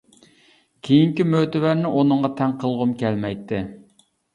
كېيىنكى مۆتىۋەرنى ئۇنىڭغا تەڭ قىلغۇم كەلمەيتتى.